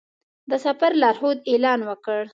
د سفر لارښود اعلان وکړ.